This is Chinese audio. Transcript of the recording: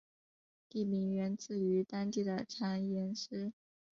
地名源自于当地的长延寺。